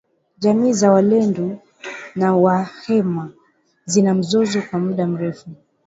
Jamii za walendu na wahema zina mzozo wa muda mrefu